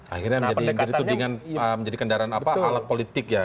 akhirnya menjadi kendaraan apa alat politik ya